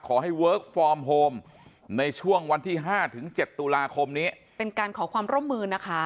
เวิร์คฟอร์มโฮมในช่วงวันที่ห้าถึงเจ็ดตุลาคมนี้เป็นการขอความร่วมมือนะคะ